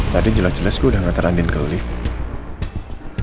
tadi jelas jelas gue udah ngatar andien ke lift